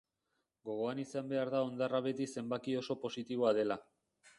Gogoan izan behar da hondarra beti zenbaki oso positiboa dela.